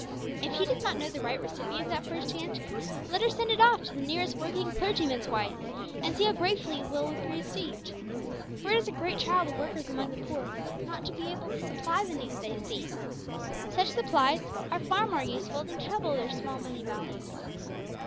If she does not know the right recipients at first hand, let her send it off to the nearest working clergyman's wife, and see how gratefully it will be received! For it is a great trial to workers among the poor not to be able to supply the needs they see. Such supplies are far more useful than treble their small money value.